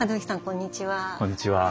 こんにちは。